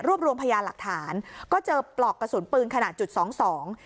รวมรวมพยานหลักฐานก็เจอปลอกกระสุนปืนขนาดจุดสองสอง